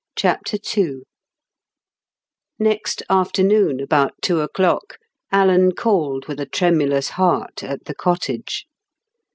CHAPTER II Next afternoon, about two o'clock, Alan called with a tremulous heart at the cottage.